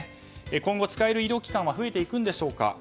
今後、使える医療機関は増えていくんでしょうか。